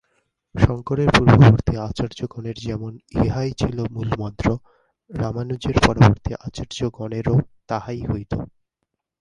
শঙ্করের পূর্ববর্তী আচার্যগণের যেমন ইহাই ছিল মূলমন্ত্র, রামানুজের পরবর্তী আচার্যগণেরও তাহাই হইল।